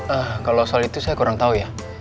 ah kalau soal itu saya kurang tahu ya